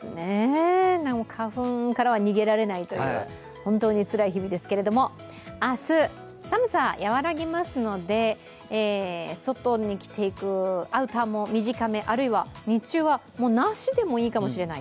花粉からは逃げられないという、本当につらい日々ですけれども、明日、寒さ和らぎますので外に着ていくアウターも短め、あるいは日中はなしでもいいかもしれない。